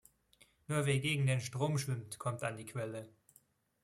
Nur wer gegen den Strom schwimmt, kommt an die Quelle.